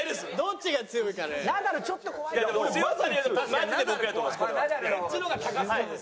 マジで僕やと思います